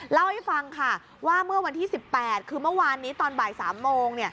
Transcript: เล่าให้ฟังค่ะว่าเมื่อวันที่๑๘คือเมื่อวานนี้ตอนบ่าย๓โมง